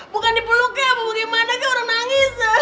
bukan dipeluknya apa gimana kan orang nangis